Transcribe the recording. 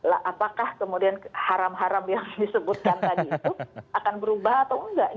apakah kemudian haram haram yang disebutkan tadi itu akan berubah atau enggak